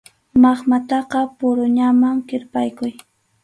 Maqmataqa puruñawan kirpaykuy.